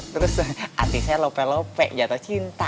terus hati saya lope lope jatuh cinta